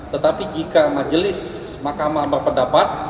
tetapi jika majelis makamah pendapat